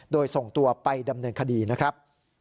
โดยส่งตัวไปดำเนินคดีนะครับ